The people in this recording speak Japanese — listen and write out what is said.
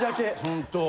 ホント。